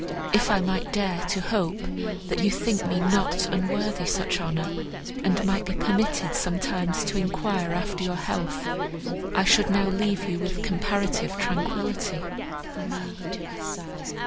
If I might dare to hope, that you think me not unworthy such honour, and might be permitted sometimes to enquire after your health, I should now leave you with comparative tranquillity."